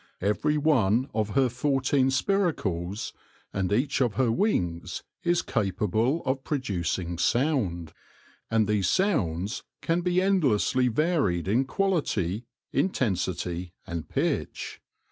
Every one of her fourteen spiracles, and each of her wings, is capable of producing sound ; A ROMANCE OF ANATOMY 113 and these sounds can be endlessly varied in quality, intensity, and pitch.